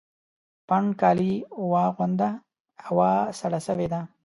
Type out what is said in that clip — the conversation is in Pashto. پنډ کالي واغونده ! هوا سړه سوې ده